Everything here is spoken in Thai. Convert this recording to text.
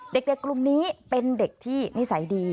เด็กกลุ่มนี้เป็นเด็กที่นิสัยดี